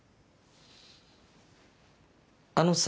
あのさ。